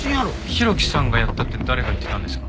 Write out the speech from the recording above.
浩喜さんがやったって誰が言ってたんですか？